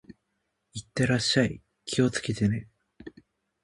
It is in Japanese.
行ってらっしゃい。気をつけてね。